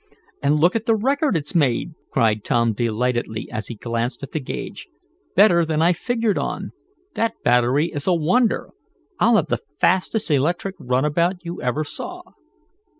"And look at the record it's made!" cried Tom delightedly as he glanced at the gauge. "Better than I figured on. That battery is a wonder. I'll have the fastest electric runabout you ever saw."